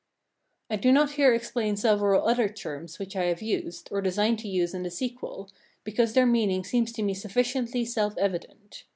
I do not here explain several other terms which I have used, or design to use in the sequel, because their meaning seems to me sufficiently self evident.